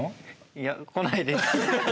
いや来ないです。